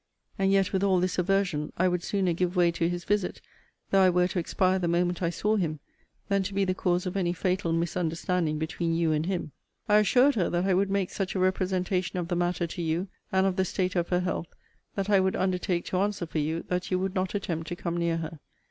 And yet, with all this aversion, I would sooner give way to his visit, though I were to expire the moment I saw him, than to be the cause of any fatal misunderstanding between you and him. I assured her that I would make such a representation of the matter to you, and of the state of her health, that I would undertake to answer for you, that you would not attempt to come near her.